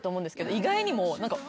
意外にも。